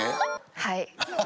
はい。